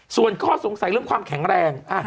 ส่วนข้อสงสัยเรื่องความแข็งแรง